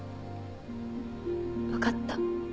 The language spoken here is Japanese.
分かった。